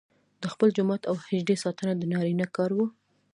د خپل جومات او حجرې ساتنه د نارینه کار وو.